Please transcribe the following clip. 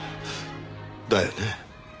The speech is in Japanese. だよね。